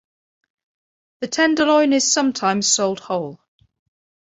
The tenderloin is sometimes sold whole.